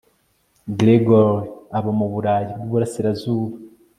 gregory aba mu burayi bw'iburasirazuba